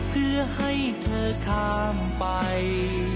เพื่อให้เธอข้ามไป